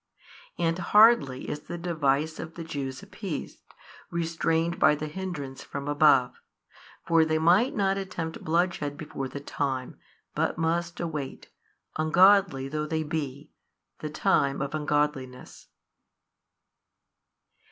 |555 And hardly is the device of the Jews appeased, restrained by the hindrance from above. For they might not attempt bloodshed before the time, but must await, ungodly though they be, the time of ungodliness.